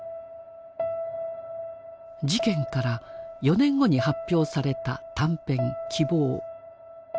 事件から４年後に発表された短編「希望」。